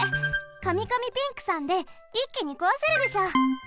カミカミピンクさんでいっきにこわせるでしょ！